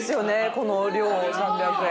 この量３００円。